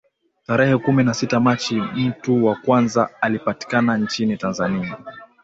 Tarehe kumi na sita Machi mtu wa kwanza alipatikana nchini Tanzania